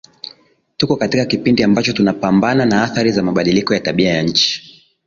Tuko katika kipindi ambacho tunapambana na athari za mabadiliko ya Tabia ya nchini